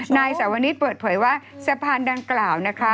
นายสาวนิทเปิดเผยว่าสะพานดังกล่าวนะคะ